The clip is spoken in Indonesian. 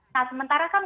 nah sementara kan